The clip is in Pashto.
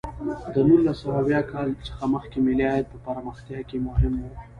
د نولس سوه اویا کال څخه مخکې ملي عاید په پرمختیا کې مهم و.